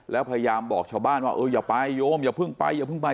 แล้วพยายามบอกชาวบ้านว่าเอออย่าไปโยมอย่าเพิ่งไปอย่าเพิ่งไป